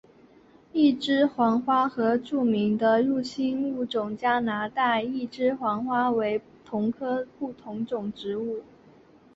一枝黄花和著名的入侵物种加拿大一枝黄花为同科不同种植物。